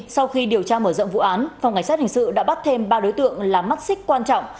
sau khi điều tra mở rộng vụ án phòng ngành xác hình sự đã bắt thêm ba đối tượng làm mắt xích quan trọng